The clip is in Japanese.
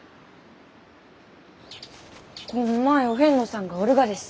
こんまいお遍路さんがおるがです。